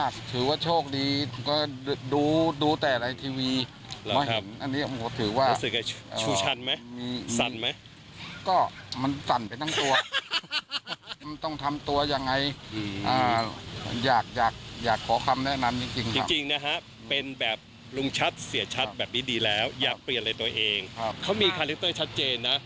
เขามีคาแรกเตอร์ชัดเจนนะ